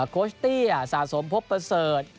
โคชเตี้ยสะสมพบประเสริฐ